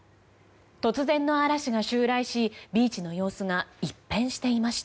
突然の嵐が襲来しビーチの様子が一変していました。